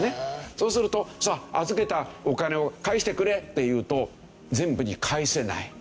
そうすると預けたお金を返してくれって言うと全部に返せない。